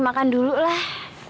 makan dulu lah